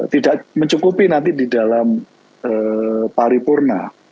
tidak mencukupi nanti di dalam paripurna